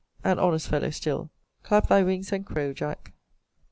An honest fellow still clap thy wings, and crow, Jack!